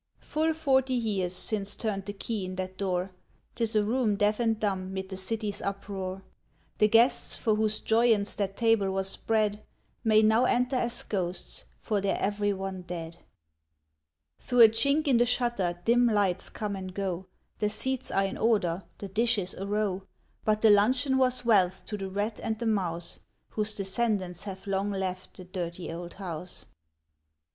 Full forty years since turned the key in that door. 'T is a room deaf and dumb mid the city's uproar. The guests, for whose joyance that table was spread, May now enter as ghosts, for they're every one dead. Through a chink in the shutter dim lights come and go; The seats are in order, the dishes a row: But the luncheon was wealth to the rat and the mouse Whose descendants have long left the Dirty Old House.